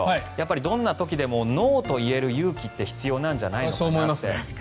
どんな時でもノーと言える勇気って必要なんじゃないのかなって。